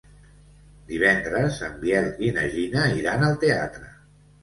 Divendres en Biel i na Gina iran al teatre.